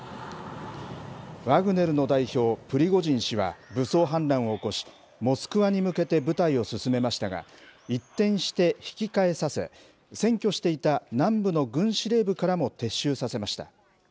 ワグネルの代表、プリゴジン氏は、武装反乱を起こし、モスクワに向けて部隊を進めましたが、一転して引き返させ、占拠していた南部の軍司令部からも撤収させました。